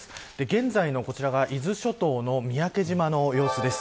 現在の伊豆諸島の三宅島の様子です。